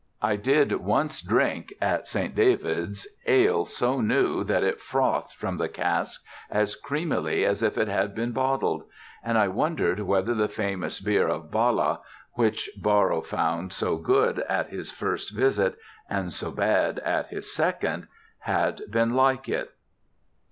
I did once drink, at St David's, ale so new that it frothed from the cask as creamily as if it had been bottled: and I wondered whether the famous beer of Bala, which Borrow found so good at his first visit and so bad at his second, had been like it.